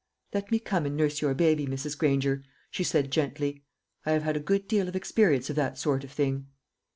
"Let me come and nurse your baby, Mrs. Granger," she said gently; "I have had a good deal of experience of that sort of thing."